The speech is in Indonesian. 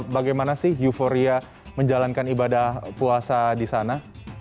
bagaimana sih euforia menjalankan ibadah puasa di sana